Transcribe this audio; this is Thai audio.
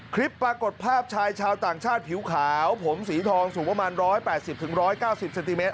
คลิปปรากฏภาพชายชาวต่างชาติผิวขาวผมสีทองสูงประมาณ๑๘๐๑๙๐เซนติเมตร